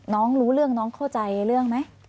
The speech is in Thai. น้องรู้เรื่องน้องเข้าใจเรื่องมั้ย